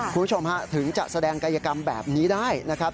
คุณผู้ชมฮะถึงจะแสดงกายกรรมแบบนี้ได้นะครับ